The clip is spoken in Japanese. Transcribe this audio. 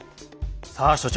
さあ所長